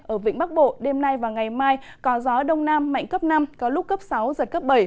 ở vĩnh bắc bộ đêm nay và ngày mai có gió đông nam mạnh cấp năm